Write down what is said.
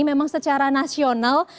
memang secara nasional